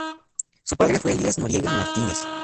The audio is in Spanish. Su padre fue Elías Noriega Martínez.